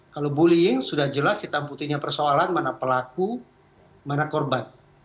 kalau bullying sudah jelas kita butuhnya persoalan mana pelaku mana korban